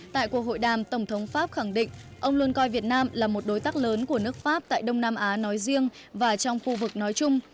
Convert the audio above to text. tại cuộc hội đàm tổng thống pháp khẳng định ông luôn coi việt nam là một đối tác lớn của nước pháp tại đông nam á nói riêng và trong khu vực nói chung